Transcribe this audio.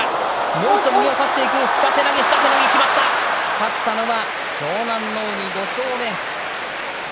勝ったのは湘南乃海５勝目。